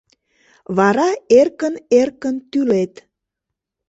Вара эркын-эркын тӱлет.